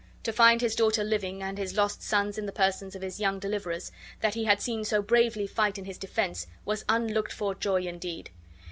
To find his daughter living, and his lost sons in the persons of his young deliverers, that he had seen so bravely fight in his defense, was unlooked for joy indeed!